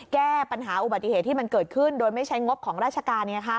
แก้ปัญหาอุบัติเหตุที่มันเกิดขึ้นโดยไม่ใช้งบของราชการ